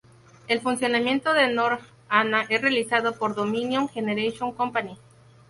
El funcionamiento de North Anna es realizado por Dominion Generation Company.